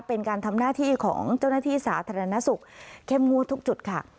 เป็นการทำหน้าที่ของเจ้าหน้าที่สาธารณสุขเข้มงวดทุกจุดค่ะ